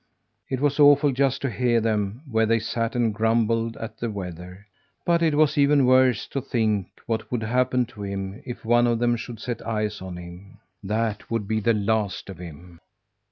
It was awful just to hear them, where they sat and grumbled at the weather; but it was even worse to think what would happen to him if one of them should set eyes on him. That would be the last of him.